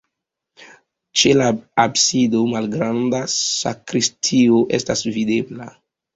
Ĉe la absido malgranda sakristio estas videbla.